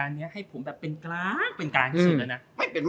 จริงต้องการขอบคุณเจน